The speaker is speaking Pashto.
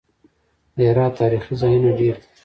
د هرات تاریخي ځایونه ډیر دي